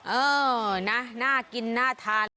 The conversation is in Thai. เออนะน่ากินน่าทาน